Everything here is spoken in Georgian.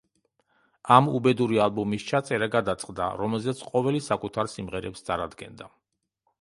ამ უბედური ალბომის ჩაწერა გადაწყდა, რომელზეც ყოველი საკუთარ სიმღერებს წარადგენდა.